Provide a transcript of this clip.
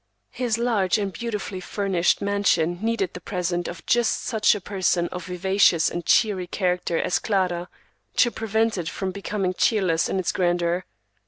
His large and beautifully furnished mansion needed the presence of just such a person of vivacious and cheery character as Clara, to prevent it from becoming cheerless in its grandeur.